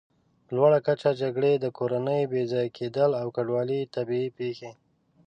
لوړه کچه، جګړې، د کورنیو بېځایه کېدل او کډوالي، طبیعي پېښې